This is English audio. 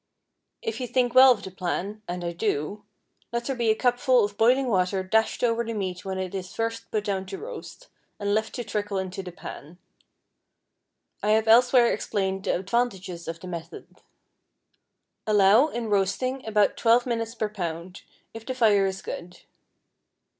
If you think well of the plan (and I do), let there be a cupful of boiling water dashed over the meat when it is first put down to roast, and left to trickle into the pan. I have elsewhere explained the advantages of the method. Allow, in roasting, about twelve minutes per pound, if the fire is good.